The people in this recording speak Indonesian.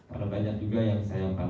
ada banyak juga yang saya inginkan